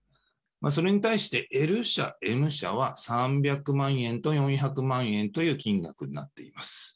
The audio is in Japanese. それに対してＬ社、Ｍ社は３００万円と４００万円という金額になっています。